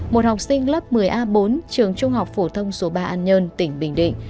một học sinh lớp một mươi a bốn trường trung học phổ thông số ba an nhơn tỉnh bình định